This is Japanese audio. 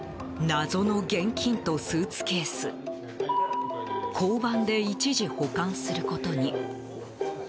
謎の現金とスーツケース交番で一時保管することに。